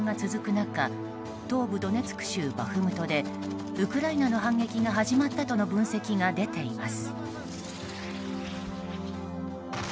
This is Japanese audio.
中東部ドネツク州バフムトでウクライナの反撃が始まったとの分析が出ています。